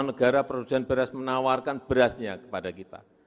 negara produsen beras menawarkan berasnya kepada kita